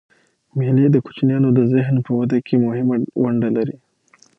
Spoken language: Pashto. مېلې د کوچنيانو د ذهن په وده کښي مهمه ونډه لري.